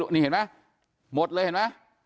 นี่เห็นไหมหมดเลยเห็นไหม